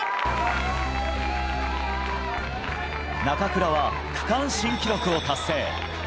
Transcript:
中倉は区間新記録を達成。